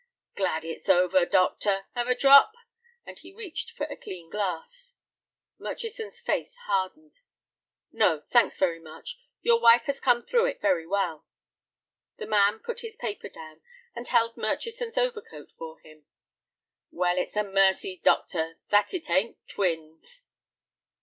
"Glad it's over, doctor. 'Ave a drop?" and he reached for a clean glass. Murchison's face hardened. "No, thanks very much. Your wife has come through it very well." The man put his paper down and held Murchison's overcoat for him. "Well, it's a mercy, doctor, that it ain't twins."